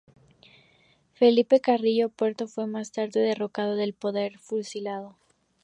Felipe Carrillo Puerto fue más tarde derrocado del poder y fusilado.